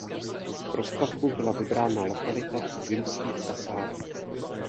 Pro stavbu byla vybrána lokalita u Vimských kasáren.